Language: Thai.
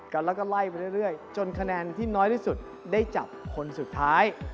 กันแล้วก็ไล่ไปเรื่อยจนคะแนนที่น้อยที่สุดได้จับคนสุดท้าย